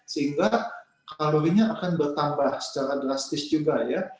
sehingga kalorinya akan bertambah secara drastis juga ya